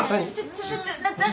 ちょちょっ。